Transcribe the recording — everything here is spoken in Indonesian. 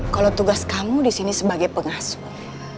kalau tugas kamu disini sebagai pengasuh